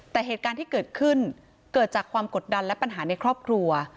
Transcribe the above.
แต่เหตุการณ์ที่เกิดขึ้นเกิดจากความกดดันและปัญหาในครอบครัว